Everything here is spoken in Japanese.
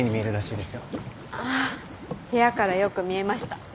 あっ部屋からよく見えました。